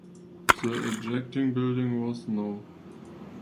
The adjacent building was no.